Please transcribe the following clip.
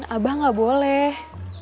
abah nggak boleh